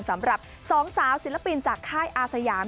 สำหรับ๒สาวศิลปินจากค่ายอาสยาม